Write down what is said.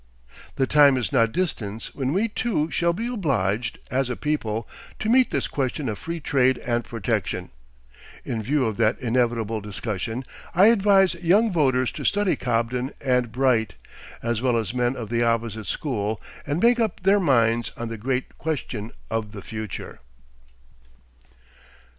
The time is not distant when we, too, shall be obliged, as a people, to meet this question of Free Trade and Protection. In view of that inevitable discussion I advise young voters to study Cobden and Bright, as well as men of the opposite school, and make up their minds on the great question of the future.